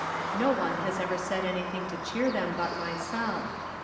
No one has ever said anything to cheer them but myself.